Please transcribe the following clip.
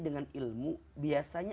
dengan ilmu biasanya